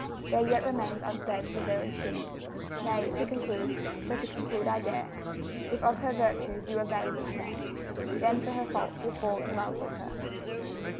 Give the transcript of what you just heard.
There yet remains unsaid the very She. Nay, to conclude (so to conclude I dare), If of her virtues you evade the snare, Then for her faults you'll fall in love with her.